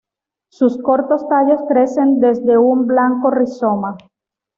Sus cortos tallos crecen desde un blanco rizoma.